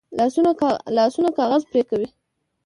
لاسونه کاغذ پرې کوي